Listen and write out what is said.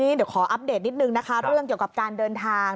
เดี๋ยวขออัปเดตนิดนึงนะคะเรื่องเกี่ยวกับการเดินทาง